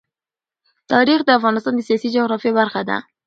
تاریخ د افغانستان د سیاسي جغرافیه برخه ده.